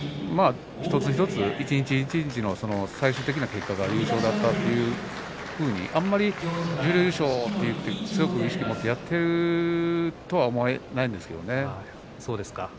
一つ一つ、一日一日の最終的な結果が優勝だったというふうにあまり優勝と強く意識してやっていると思えないんですけれどね。